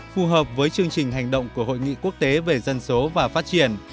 phù hợp với chương trình hành động của hội nghị quốc tế về dân số và phát triển